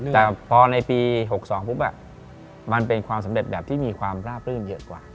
แต่พอในปี๖๒ปุ๊บมันเป็นความสำเร็จแบบที่มีความราบรื่นเยอะกว่า